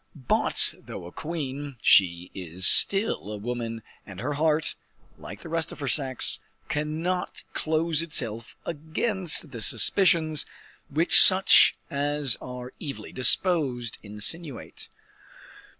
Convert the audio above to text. But though a queen, she is still a woman, and her heart, like that of the rest of her sex, cannot close itself against the suspicions which such as are evilly disposed, insinuate.